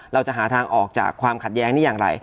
เราจะหาทางออกจากความขัดแย้งนี้อย่างไร